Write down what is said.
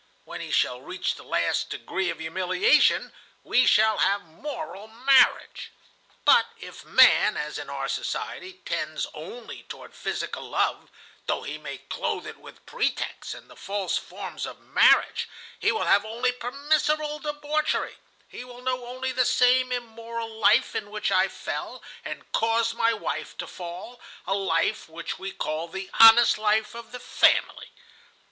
When he shall reach the last degree of humiliation, we shall have moral marriage. "But if man, as in our society, tends only toward physical love, though he may clothe it with pretexts and the false forms of marriage, he will have only permissible debauchery, he will know only the same immoral life in which I fell and caused my wife to fall, a life which we call the honest life of the family.